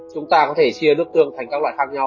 chúng ta có thể chia nước tương thành các loại khác nhau